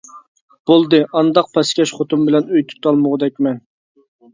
بولدى. ئانداق پەسكەش خوتۇن بىلەن ئۆي تۇتالمىغۇدەكمەن.